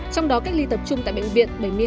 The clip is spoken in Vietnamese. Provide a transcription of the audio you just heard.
trong đó cách ly tập trung tại bệnh viện